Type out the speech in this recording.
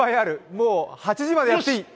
もう８時までやっていい。